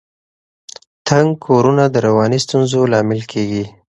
تنګ کورونه د رواني ستونزو لامل کیږي.